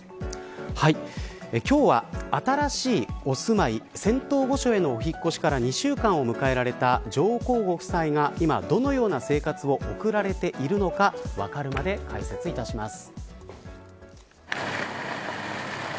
今日は、新しいお住まい仙洞御所へのお引越しから２週間を迎えられた上皇ご夫妻が今どのような生活を送られているのかわかるまで解説いたします。